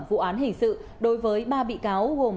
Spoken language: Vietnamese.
vụ án hình sự đối với ba bị cáo gồm